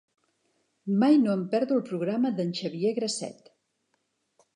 Mai no em perdo el programa d'en Xavier Grasset.